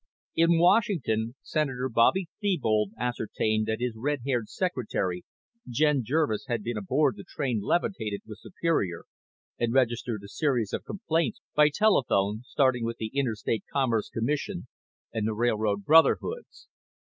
In Washington, Senator Bobby Thebold ascertained that his red haired secretary, Jen Jervis, had been aboard the train levitated with Superior and registered a series of complaints by telephone, starting with the Interstate Commerce Commission and the railroad brotherhoods.